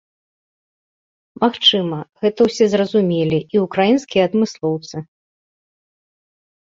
Магчыма, гэта ўсё зразумелі і ўкраінскія адмыслоўцы.